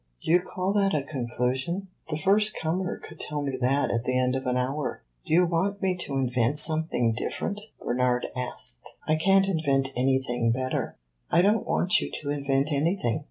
"Do you call that a conclusion? The first comer could tell me that at the end of an hour." "Do you want me to invent something different?" Bernard asked. "I can't invent anything better." "I don't want you to invent anything.